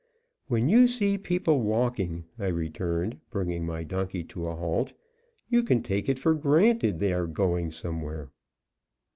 "When you see people walking," I returned, bringing my donkey to halt, "you can take it for granted, they are going somewhere."